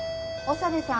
長部さん。